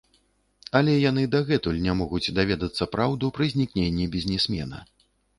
Але яны дагэтуль не могуць даведацца праўду пра знікненне бізнесмена.